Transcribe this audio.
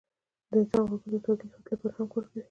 د انسان غوږونه د تعادل ساتلو لپاره هم کار کوي.